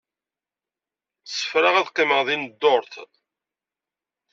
Ssefraɣ ad qqimeɣ din dduṛt.